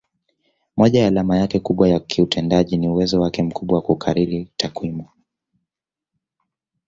Moja ya alama yake kubwa ya kiutendaji ni uwezo wake mkubwa wa kukariri takwimu